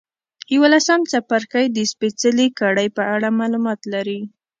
یوولسم څپرکی د سپېڅلې کړۍ په اړه معلومات لري.